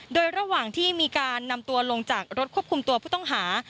โดยระหว่างที่มีการนำตัวลงจากรถควบคุมตัวผู้ต้องหา